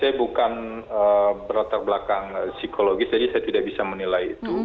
saya bukan berlatar belakang psikologis jadi saya tidak bisa menilai itu